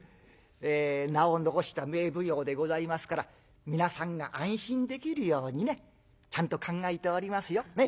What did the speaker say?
ええ名を残した名奉行でございますから皆さんが安心できるようにねちゃんと考えておりますよ。